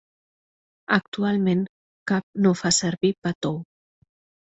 Actualment cap no fa servir pa tou.